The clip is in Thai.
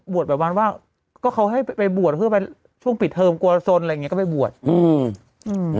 บวชบางวันว่าเขาให้ไว้ช่วงปิดเทอมกับสนก็ไปบวช